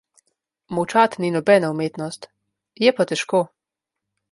Molčati ni nobena umetnost, je pa težko.